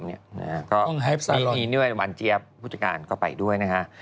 ก็มีนี่ด้วยวันเจียบผู้จักรก็ไปด้วยนะครับ